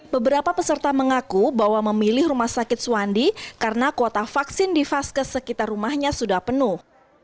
beberapa peserta mengaku bahwa memilih rumah sakit suwandi karena kuota vaksin di vaskes sekitar rumahnya sudah penuh